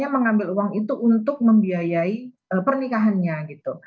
mengambil uang itu untuk membiayai pernikahannya gitu